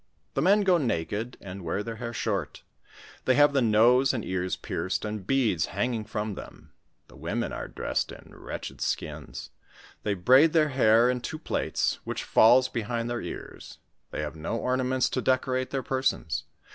The men go naked, and wear their haii* short ; they have the nose and ears pierced, and beads hanging from them. The women are dressed in wretched skins ; they braid their hair in two plaits, which falls behind their ear? ; they have no ornaments to decorate their persons.